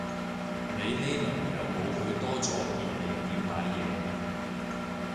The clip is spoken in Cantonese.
你呢輪有冇去多咗便利店買嘢